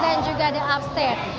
dan juga the upstate